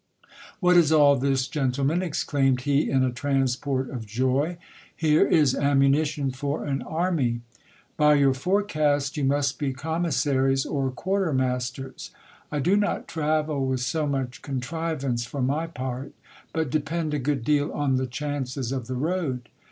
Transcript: What is all this, gentlemen, exclaimed he in a transport of joy, here is ammunition for an army ! By your forecast, you must be commissaries or quartermasters. I do not travel with so much contrivance, for my part ; but depend a good deal on the chances of the road.